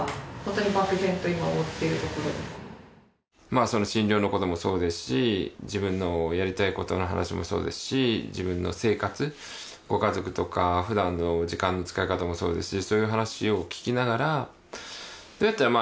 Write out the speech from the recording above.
まあその診療のこともそうですし自分のやりたいことの話もそうですし自分の生活ご家族とか普段の時間の使い方もそうですし。